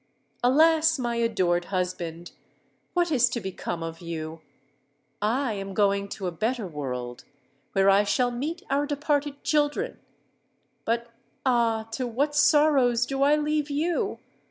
Alas! my adored husband, what is to become of you? I am going to a better world, where I shall meet our departed children: but, ah! to what sorrows, do I leave you?